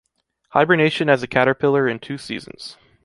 Hibernation as a caterpillar in two seasons.